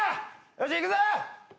よしいくぞ。